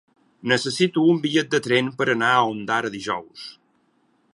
Necessito un bitllet de tren per anar a Ondara dijous.